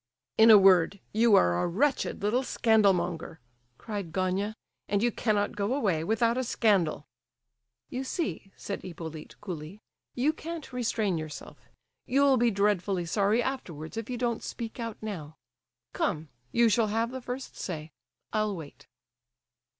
"In a word, you are a wretched little scandal monger," cried Gania, "and you cannot go away without a scandal!" "You see," said Hippolyte, coolly, "you can't restrain yourself. You'll be dreadfully sorry afterwards if you don't speak out now. Come, you shall have the first say. I'll wait."